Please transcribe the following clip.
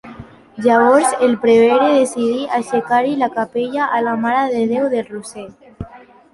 Llavors el prevere decidí aixecar-hi la capella a la Mare de Déu del Roser.